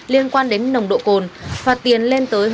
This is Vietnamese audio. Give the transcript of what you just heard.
liên quan đến nồng độ cồn và tiền lên tới hơn hai mươi tỷ đồng